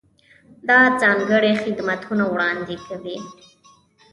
دا ځانګړي خدمتونه وړاندې کوي.